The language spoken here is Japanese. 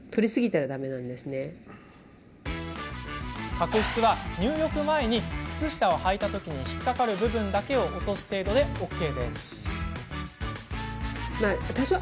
角質は入浴前に靴下を履いたときに引っ掛かる部分だけを落とす程度でＯＫ。